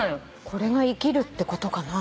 これが生きるってことかな。